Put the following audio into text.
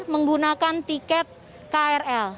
menggunakan tiket krl